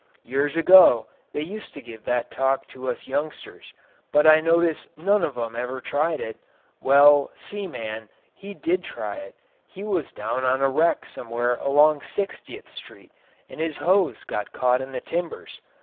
Years ago they used to give that talk to us youngsters, but I notice none of 'em ever tried it. Well, Seaman, he did try it; he was down on a wreck somewhere along Sixtieth Street, and his hose got caught in the timbers.